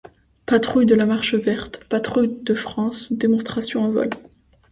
Patrouille de la Marche verte, patrouille de France, démonstrations en vol...